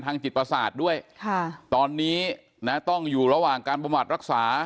ทางจิตประสาทด้วยตอนนี้ต้องอยู่ระหว่างการประมาทรักษา